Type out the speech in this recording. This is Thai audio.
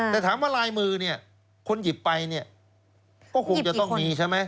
แต่ถามว่าลายมือคนหยิบไปก็คงจะต้องมีใช่ไหม